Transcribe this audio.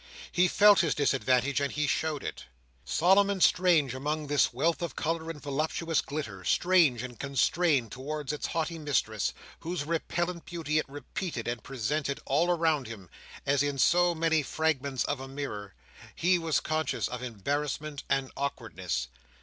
He felt his disadvantage, and he showed it. Solemn and strange among this wealth of colour and voluptuous glitter, strange and constrained towards its haughty mistress, whose repellent beauty it repeated, and presented all around him, as in so many fragments of a mirror, he was conscious of embarrassment and awkwardness.